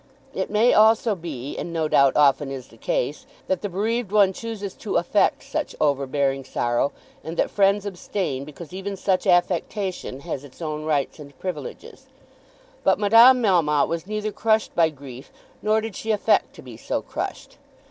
It may also be, and, no doubt, often is the case, that the bereaved one chooses to affect such overbearing sorrow, and that friends abstain, because even such affectation has its own rights and privileges. But Madame Melmotte was neither crushed by grief nor did she affect to be so crushed.